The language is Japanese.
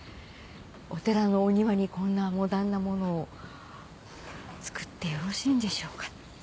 お寺のお庭にこんなモダンなものを造ってよろしいんでしょうか。